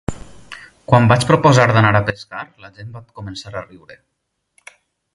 Quan vaig proposar d'anar a pescar la gent va començar a riure